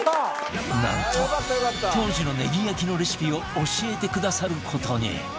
なんと当時のネギ焼きのレシピを教えてくださる事に